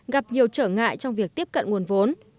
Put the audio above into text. gặp nhiều trở ngại trong việc tiếp cận nguồn vốn